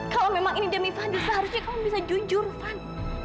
kalau memang ini demi fadli seharusnya kamu bisa jujur van